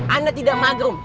anda tidak maghrum